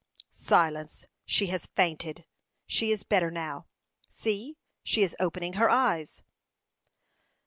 "Silence! She has fainted. She is better now. See! She is opening her eyes."